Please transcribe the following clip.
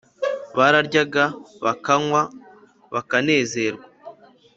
bararyaga bakanywa, bakanezerwa